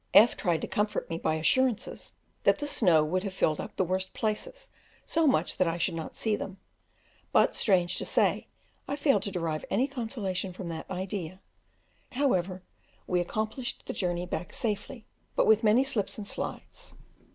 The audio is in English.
F tried to comfort me by assurances that the snow would have filled up the worst places so much that I should not see them, but, strange to say, I failed to derive any consolation from that idea; however, we accomplished the journey back safely, but with many slips and slides.